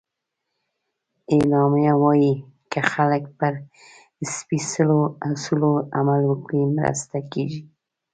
اعلامیه وایي که خلک پر سپیڅلو اصولو عمل وکړي، مرسته کېږي.